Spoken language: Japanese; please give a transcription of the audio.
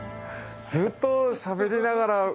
ずっとしゃべりながら。